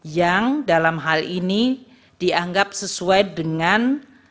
yang dalam hal ini dianggap sesuai dengan